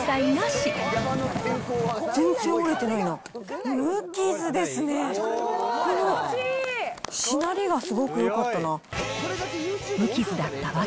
しなりがすごくよかったな。